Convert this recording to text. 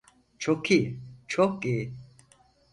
Çok iyi, çok iyi.